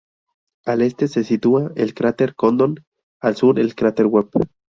Al este, se sitúa el cráter Condon, al sur el cráter Webb.